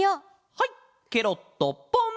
はいケロッとポン！